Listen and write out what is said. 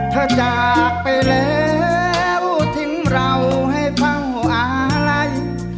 จากไปแล้วทิ้งเราให้เผ่าอาลัย